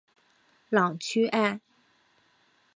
朗屈艾。